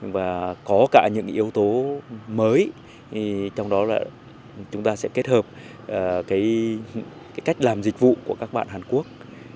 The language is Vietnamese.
và có cả những yếu tố mới trong đó là chúng ta sẽ kết hợp cách làm dịch vụ của các bạn hàn quốc